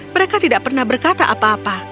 mereka tidak pernah berkata apa apa